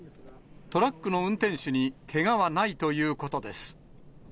トラックの運転手にけがはないということです。